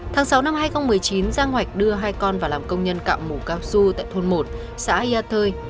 tháng sáu năm hai nghìn một mươi chín giang hoạch đưa hai con vào làm công nhân cạo mù cao su tại thôn một xã yat thơi